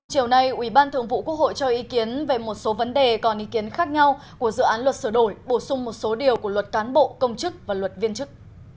chiều nay ủy ban thường vụ quốc hội cho ý kiến về một số vấn đề còn ý kiến khác nhau của dự án luật sửa đổi bổ sung một số điều của luật cán bộ công chức và luật viên chức